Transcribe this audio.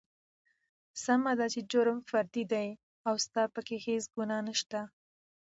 سمه ده چې جرم فردي دى او ستا پکې هېڅ ګنا نشته.